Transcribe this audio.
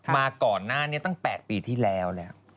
มาก่อนหน้านี้ตั้ง๘ปีที่แล้วแล้ว